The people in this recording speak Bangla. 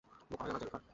বোকা হয়ো না, জেনিফার।